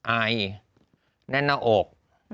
อายแน่นอก